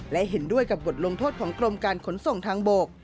และเห็นด้วยกับบทลงโทษของกรมการขนส่งทางบก